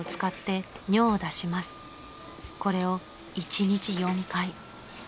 ［これを１日４回］